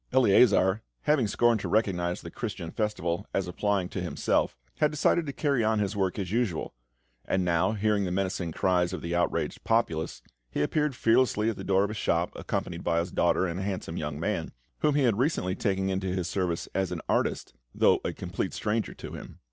Eleazar, having scorned to recognise the Christian Festival as applying to himself, had decided to carry on his work as usual; and now, hearing the menacing cries of the outraged populace, he appeared fearlessly at the door of his shop, accompanied by his daughter, and a handsome young man, whom he had recently taken into his service as an artist, though a complete stranger to him.